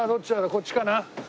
こっちかな？